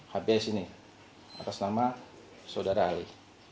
habib ini atas nama saudara ahli